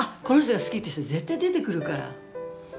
この人が好きって人絶対出てくるから。